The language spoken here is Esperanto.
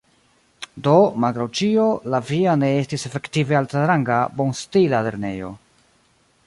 Do, malgraŭ ĉio, la via ne estis efektive altranga, bonstila lernejo.